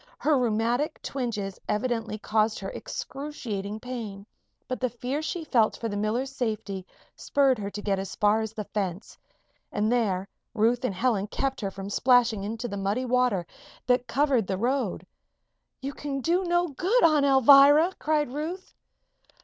Her rheumatic twinges evidently caused her excruciating pain, but the fear she felt for the miller's safety spurred her to get as far as the fence. And there Ruth and Helen kept her from splashing into the muddy water that covered the road. "You can do no good, Aunt Alvirah!" cried Ruth.